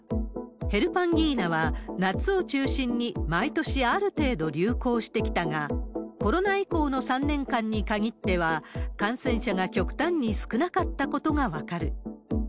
ヘルパンギーナは夏を中心に毎年ある程度流行してきたが、コロナ以降の３年間に限っては、感染者が極端に少なかったことが分かる。